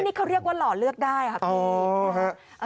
นี่เขาเรียกว่ารอเลือกได้ครับ